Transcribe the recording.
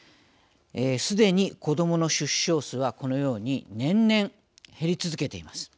すでに、子どもの出生数はこのように年々減り続けています。